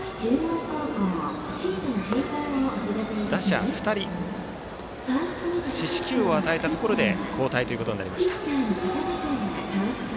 打者２人に四死球を与えたところで交代となりました。